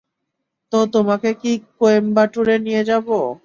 তো তোমাকে কি কোয়েম্বাটুরে নিয়ে যাব?